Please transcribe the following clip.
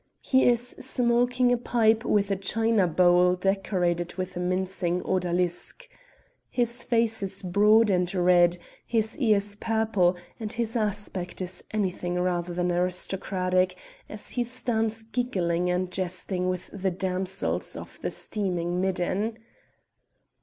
He is smoking a pipe with a china bowl decorated with a mincing odalisque. His face is broad and red, his ears purple, and his aspect is anything rather than aristocratic as he stands giggling and jesting with the damsels of the steaming midden.